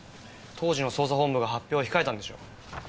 当時の捜査本部が発表を控えたんでしょう。